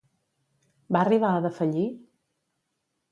Va arribar a defallir?